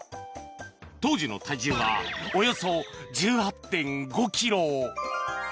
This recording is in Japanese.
当時の体重はおよそ１８．５ｋｇ。